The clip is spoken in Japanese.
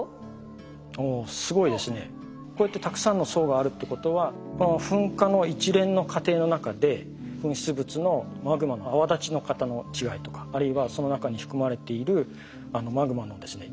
こうやってたくさんの層があるってことは噴火の一連の過程の中で噴出物のマグマの泡立ち方の違いとかあるいはその中に含まれているマグマのですね